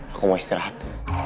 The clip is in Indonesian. aku mau istirahat